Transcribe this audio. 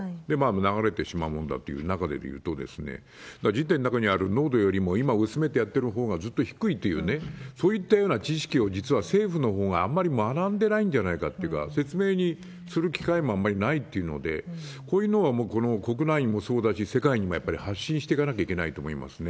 流れてしまうもんだっていう中でいうと、人体の中にある濃度よりも、今、薄めてやってるほうがずっと低いというね、そういったような知識を、実は政府のほうがあんまり学んでないんじゃないかというか、説明にする機会もあんまりないっていうので、こういうのが、もう国内もそうだし、世界にもやっぱり発信してかなきゃいけないと思いますね。